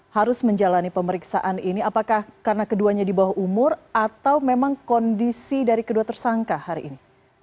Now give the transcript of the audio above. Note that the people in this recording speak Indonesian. harus menjalani pemeriksaan ini apakah karena keduanya di bawah umur atau memang kondisi dari kedua tersangka hari ini